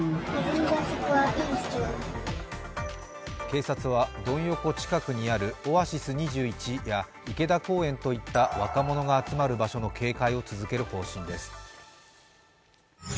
警察はドン横近くにあるオアシス２１や池田公園といった若者の集まる場所の警戒を続ける方針です。